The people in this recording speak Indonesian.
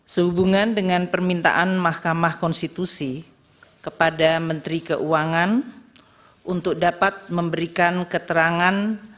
sehubungan dengan permintaan mahkamah konstitusi kepada menteri keuangan untuk dapat memberikan keterangan